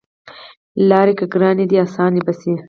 لاری که ګرانې دي اسانې به شي